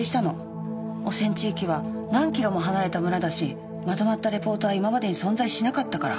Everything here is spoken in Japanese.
汚染地域は何キロも離れた村だしまとまったレポートは今までに存在しなかったから。